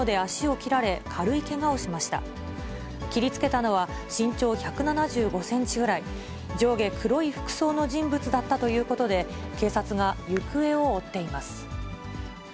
切りつけたのは身長１７５センチぐらい、上下黒い服装の人物だったということで、警察が行方を追っています。